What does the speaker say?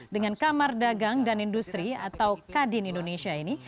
dengan kamar dagang dan industri atau kadin indonesia ini